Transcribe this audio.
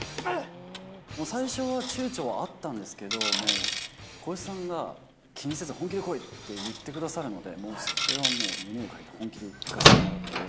もう最初はちゅうちょはあったんですけど、もう浩市さんが、気にせず本気で来い！って言ってくださるので、もう、それはもう胸を借りて、本気でいかせてもらって。